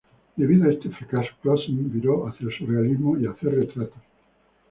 Debido a este fracaso, Clausen viró hacia el Surrealismo y a hacer retratos.